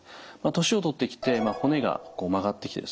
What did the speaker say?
年をとってきて骨が曲がってきてですね